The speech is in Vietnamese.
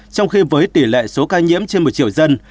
trong khi với tỷ lệ số ca nhiễm trên một triệu dân